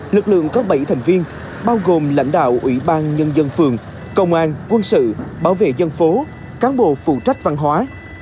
lực lượng có bảy thành viên bao gồm lãnh đạo ủy ban nhân dân phường công an quân sự bảo vệ dân phố cán bộ phụ trách văn hóa